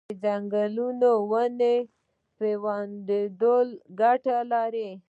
د ځنګلي ونو پیوندول ګټه لري؟